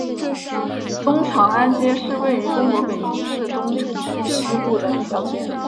东长安街是位于中国北京市东城区西部的一条街。